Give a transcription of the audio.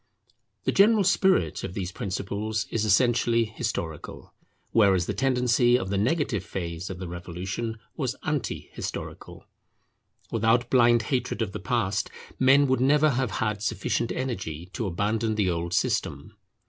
The general spirit of these principles is essentially historical, whereas the tendency of the negative phase of the revolution was anti historical. Without blind hatred of the past, men would never have had sufficient energy to abandon the old system.